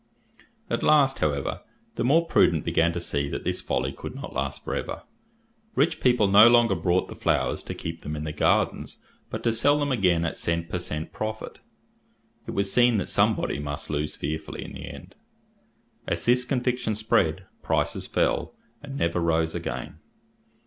At last, however, the more prudent began to see that this folly could not last for ever. Rich people no longer bought the flowers to keep them in their gardens, but to sell them again at cent per cent profit. It was seen that somebody must lose fearfully in the end. As this conviction spread, prices fell, and never rose again.